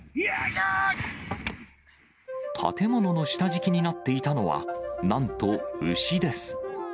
建物の下敷きになっていたのは、なんと牛です。